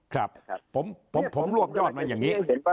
ครับผมรวบยอดมาอย่างนี้